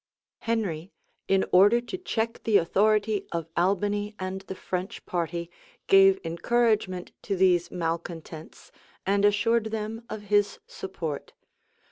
Henry, in order to check the authority of Albany and the French party, gave encouragement to these malecontents, and assured them of his support.